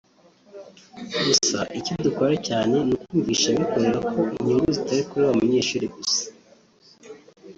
gusa icyo dukora cyane ni ukumvisha abikorera ko inyungu zitari kuri wa munyeshuri gusa